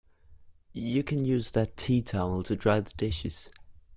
You can use that tea towel to dry the dishes